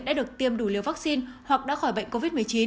đã được tiêm đủ liều vaccine hoặc đã khỏi bệnh covid một mươi chín